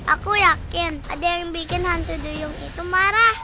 aku yakin ada yang bikin hantu duyung itu marah